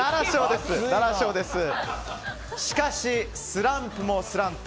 しかし、スランプもスランプ。